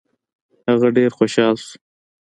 هغه ډېر خوشاله شو.